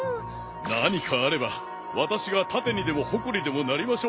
何かあれば私が盾にでも矛にでもなりましょう。